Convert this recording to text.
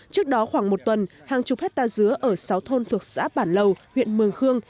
trước đó khoảng một tuần hàng chục hectare dứa ở sáu thôn thuộc xã bản lầu huyện mường khương